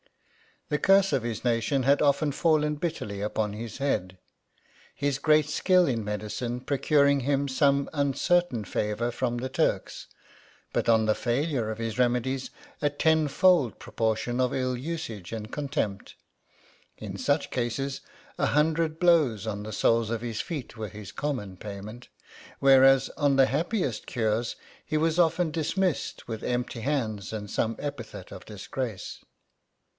The curse of his nation had often fallen bitterly upon his head ; his great skill in medi cine procuring him some uncertain favour from the Turks, but on the failure of his remedies, a tenfold proportion of ill usnge and contempt. In such cases, a hundred blows on the soles of his feet were his common payment ; whereas on the happiest cures, he was often dis missed with empty hands and some epithet of disgrace.